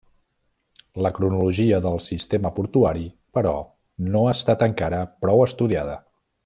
La cronologia del sistema portuari, però, no ha estat encara prou estudiada.